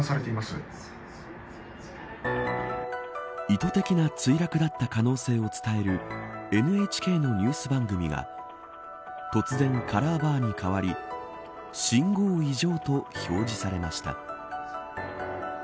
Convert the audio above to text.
意図的な墜落だった可能性を伝えるＮＨＫのニュース番組が突然、カラーバーに変わり信号異常と表示されました。